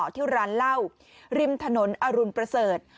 ที่ร้านเหล้าริมถนนอรุณประเสริฐ